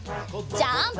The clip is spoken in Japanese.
ジャンプ！